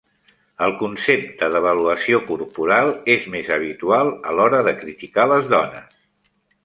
El concepte d'avaluació corporal és més habitual a l'hora de criticar les dones.